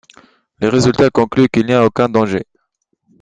Les résultats concluent qu'il n'y a aucun danger.